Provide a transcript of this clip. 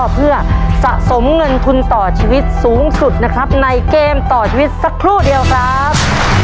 เพื่อสะสมเงินทุนต่อชีวิตสูงสุดนะครับในเกมต่อชีวิตสักครู่เดียวครับ